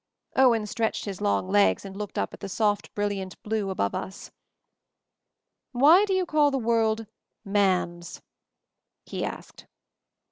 Owen stretched his long legs and looked up at the soft, brilliant blue above us. "Why do you call the world "man's?" he asked.